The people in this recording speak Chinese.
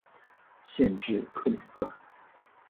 县治克里夫兰。